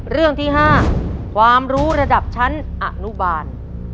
เรื่องที่๕ความรู้ระดับชั้นอนุบาล